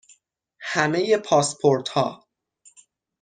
همه پاسپورت ها